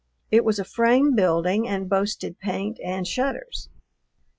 It was a frame building and boasted paint and shutters.